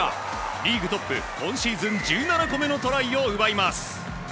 リーグトップ今シーズン１７個目のトライを奪います。